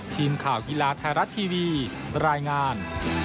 ทีมข่าวกีฬาไทยรัฐทีวีรายงาน